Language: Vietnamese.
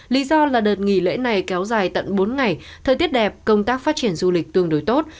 lý do là đợt nghỉ lễ này kéo dài tận bốn ngày thời tiết đẹp công tác phát triển du lịch tương đối tốt